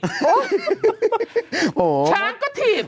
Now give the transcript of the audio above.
ช้างก็ถีบ